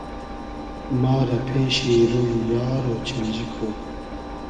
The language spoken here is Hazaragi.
ما رۂ پېشی روی یار اۉچیلجی کو